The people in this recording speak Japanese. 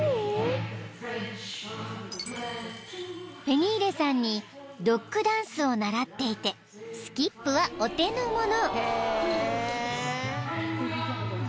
［ペニーレさんにドッグダンスを習っていてスキップはお手のもの］